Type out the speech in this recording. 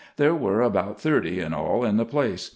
There were about thirty in all in the place.